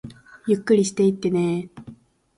ゆっくりしていってねー